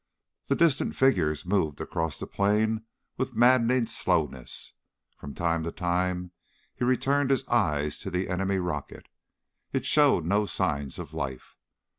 The distant figures moved across the plain with maddening slowness. From time to time he returned his eyes to the enemy rocket. It showed no signs of life.